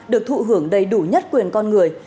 được thụ hưởng đầy đủ nhất quyền con người